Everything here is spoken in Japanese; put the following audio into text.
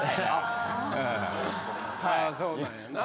ああそうなんやな。